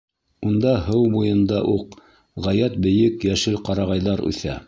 Унда, һыу буйында уҡ, ғәйәт бейек йәшел ҡарағайҙар үҫә.